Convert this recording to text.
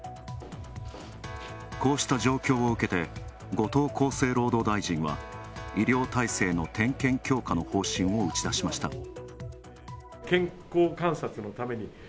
こうした状況を受けて、後藤厚生労働大臣は、医療体制の点検強化の方針を打ち出しました。